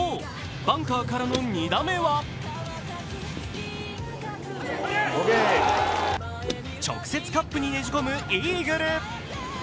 バンカーからの２打目は直接カップにねじ込むイーグル。